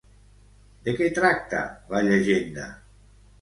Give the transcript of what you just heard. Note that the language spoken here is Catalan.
De què tracta la llegenda?